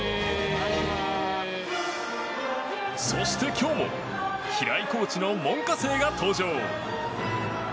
そして今日も平井コーチの門下生が登場。